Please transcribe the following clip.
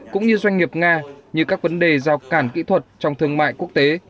cũng như doanh nghiệp nga như các vấn đề giao cản kỹ thuật trong thương mại quốc tế